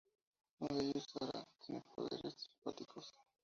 Uno de ellos, Sarah, tiene poderes telepáticos.